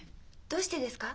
どうしてですか？